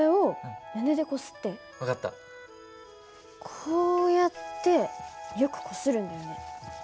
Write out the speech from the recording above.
こうやってよくこするんだよね。